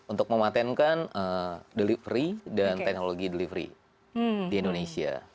untuk mematenkan delivery dan teknologi delivery di indonesia